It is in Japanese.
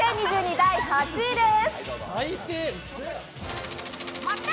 第８位です。